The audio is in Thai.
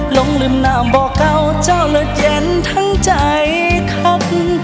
ลงลืมน้ำบ่เกาเจ้าเหลือเย็นทั้งใจคัก